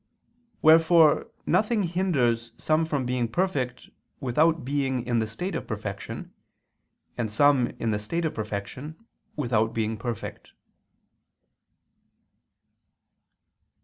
Wherefore nothing hinders some from being perfect without being in the state of perfection, and some in the state of perfection without being perfect.